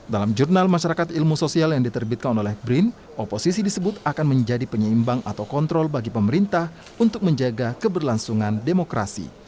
dalam jurnal masyarakat ilmu sosial yang diterbitkan oleh brin oposisi disebut akan menjadi penyeimbang atau kontrol bagi pemerintah untuk menjaga keberlangsungan demokrasi